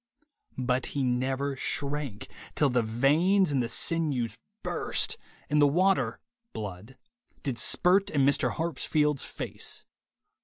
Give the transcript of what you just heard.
But 'he never shrank, till the veins and the sinews burst, and the water (blood) did spirt in Mr. Harpsfield's face.'